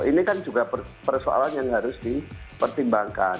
ini kan juga persoalan yang harus dipertimbangkan